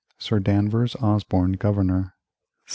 Sir Danvers Osborne Governor 1755.